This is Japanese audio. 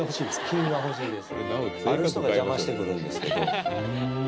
品が欲しいです